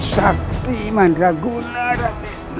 sakti mandraguna raden